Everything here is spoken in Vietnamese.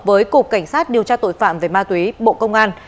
với cục cảnh sát điều tra tội phạm về ma túy bộ công an